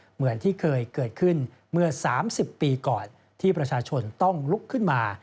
เหมือนที่เคยเกิดขึ้นเมื่อ๓๐ปีก่อนที่ประชาชนต้องลุกขึ้นมา